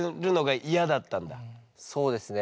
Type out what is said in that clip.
そうですね。